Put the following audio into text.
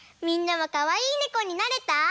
みんなもかわいいねこになれた？